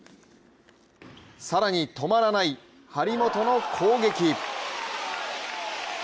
更に止まらない張本の攻撃。